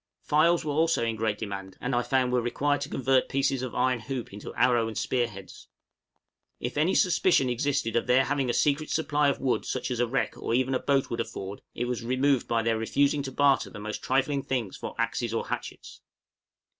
Files were also in great demand, and I found were required to convert pieces of iron hoop into arrow and spear heads. If any suspicion existed of their having a secret supply of wood such as a wreck or even a boat would afford, it was removed by their refusing to barter the most trifling things for axes or hatchets.